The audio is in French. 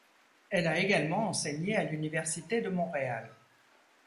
Elle a également enseigné à l'Université de Montréal.